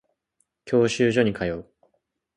教習所に通う